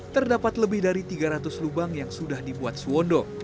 terdapat lebih dari tiga ratus lubang yang sudah dibuat suwondo